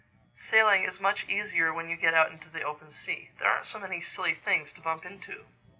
"Sailing is much easier when you get out into the open sea. There aren't so many silly things to bump into."